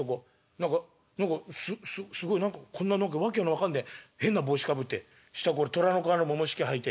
何か何かすすすごい何かこんな何か訳の分かんねえ変な帽子かぶって下これ虎の皮のももひきはいて。